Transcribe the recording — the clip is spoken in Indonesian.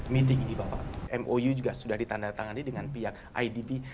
meeting ini bapak mou juga sudah ditandatangani dengan pihak idp